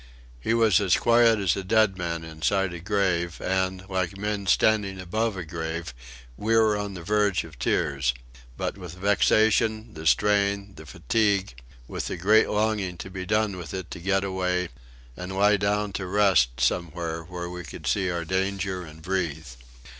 He was as quiet as a dead man inside a grave; and, like men standing above a grave, we were on the verge of tears but with vexation, the strain, the fatigue; with the great longing to be done with it, to get away, and lie down to rest somewhere where we could see our danger and breathe.